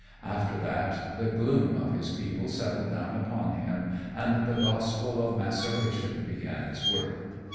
After that, the gloom of his people settled down upon him, and the gospel of maceration began its work.